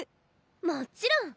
もちろん！